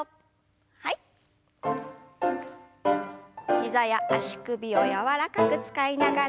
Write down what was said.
膝や足首を柔らかく使いながら。